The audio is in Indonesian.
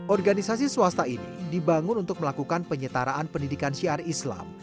organisasi swasta ini dibangun untuk melakukan penyetaraan pendidikan syiar islam